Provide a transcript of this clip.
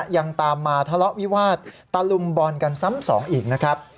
ยังตามมาทะเลาะวิวาสตะลุมบอลกันซ้ำสองอีกนะครับ